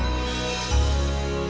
aku sendiri pun jepang